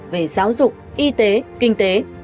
về giáo dục y tế kinh tế